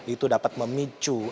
itu dapat memicu